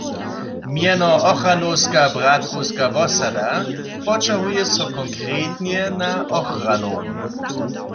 Mjeno "Ochranowska bratrowska wosada" poćahuje so konkretnje na Ochranow.